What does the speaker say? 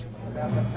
dapat saja satu